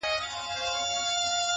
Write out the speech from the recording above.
ګرم مي و نه بولی چي شپه ستایمه ,